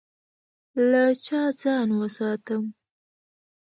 له چا ځان وساتم؟